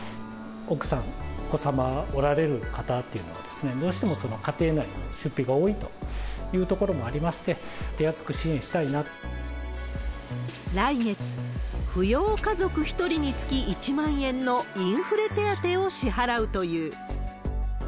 奥さん、お子様おられる方というのは、どうしても家庭内の出費が多いというところもありまして、手厚く来月、扶養家族１人につき１万円のインフレ手当を支払うという。